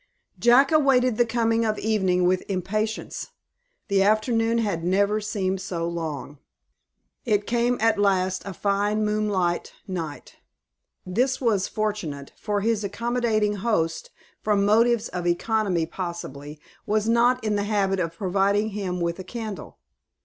Jack awaited the coming of evening with impatience. The afternoon had never seemed so long. It came at last a fine moonlight night. This was fortunate, for his accommodating host, from motives of economy possibly, was not in the habit of providing him with a candle.